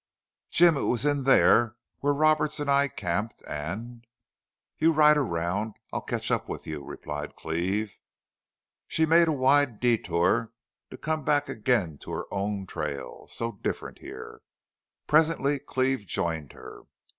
"Jim it was in there where Roberts and I camped and " "You ride around. I'll catch up with you," replied Cleve. She made a wide detour, to come back again to her own trail, so different here. Presently Cleve joined her.